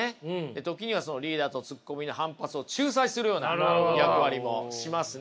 時にはリーダーとツッコミの反発を仲裁するような役割もしますね。